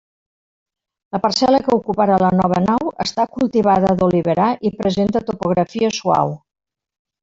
La parcel·la que ocuparà la nova nau està cultivada d'oliverar i presenta topografia suau.